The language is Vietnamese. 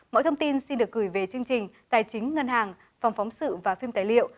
mọi thông tin xin được gửi về chương trình tài chính ngân hàng phòng phóng sự và phim tài liệu